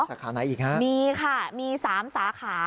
สาขาไหนอีกฮะมีค่ะมี๓สาขา